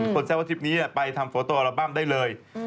แซวว่าทริปนี้ไปทำโฟโตอัลบั้มได้เลย